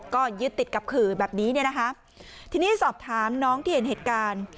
ก็ยึดติดกับขื่อแบบนี้เนี่ยนะคะทีนี้สอบถามน้องที่เห็นเหตุการณ์